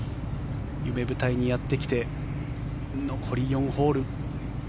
夢舞台にやってきて残り４ホール。